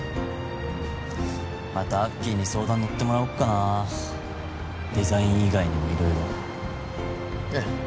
またアッキーに相談乗ってもらおっかなデザイン以外にも色々ええ